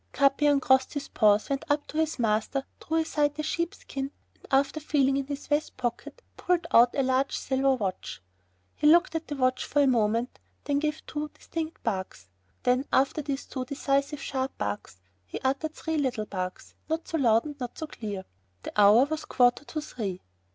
Capi uncrossed his paws, went up to his master, drew aside the sheepskin, and after feeling in his vest pocket pulled out a large silver watch. He looked at the watch for a moment, then gave two distinct barks, then after these two decisive sharp barks, he uttered three little barks, not so loud nor so clear. The hour was quarter of three.